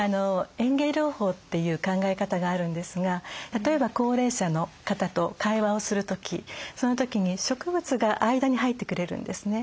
園芸療法という考え方があるんですが例えば高齢者の方と会話をする時その時に植物が間に入ってくれるんですね。